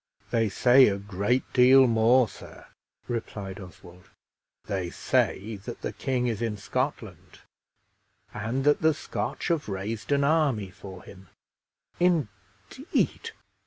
"They say a great deal more, sir," replied Oswald; "they say that the king is in Scotland, and that the Scotch have raised an army for him." "Indeed!"